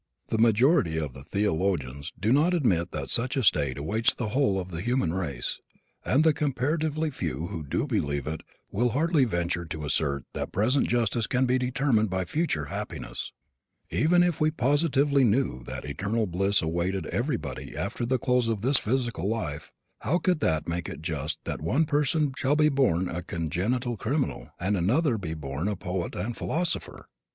The majority of the theologians do not admit that such a state awaits the whole of the human race, and the comparatively few who do believe it will hardly venture to assert that present justice can be determined by future happiness. Even if we positively knew that eternal bliss awaited everybody after the close of this physical life how could that make it just that one person shall be born a congenital criminal and another shall be born a poet and philosopher?